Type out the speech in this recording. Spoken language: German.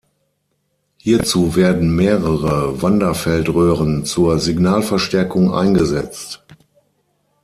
Hierzu werden mehrere Wanderfeldröhren zur Signalverstärkung eingesetzt.